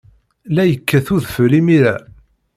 La yekkat udfel imir-a.